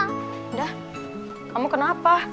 indah kamu kenapa